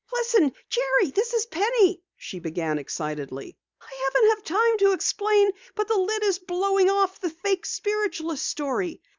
"Listen, Jerry, this is Penny!" she began excitedly. "I haven't time to explain, but the lid is blowing off the fake spiritualist story!